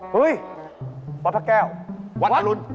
เฮ้ยวัดพระแก้ววัดอรุณ